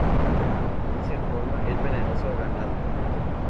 Según se informa, es venenoso a ganado.